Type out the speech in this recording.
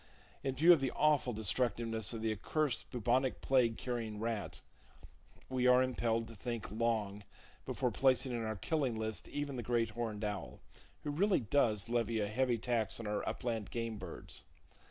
In view of the awful destructiveness of the accursed bubonic plague carrying rat, we are impelled to think long before placing in our killing list even the great horned owl, who really does [Page 81] levy a heavy tax on our upland game birds.